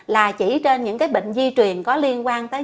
là chỉ trên những cái bệnh di truyền có liên quan tới